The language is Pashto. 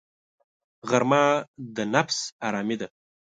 غرمه د نفس آرامي ده